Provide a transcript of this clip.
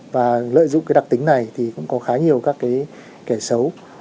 và lợi dụng cái đặc tính này thì cũng có khá nhiều các cái kẻ xấu